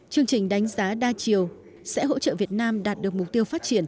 chương trình đánh giá đa chiều sẽ hỗ trợ việt nam đạt được mục tiêu phát triển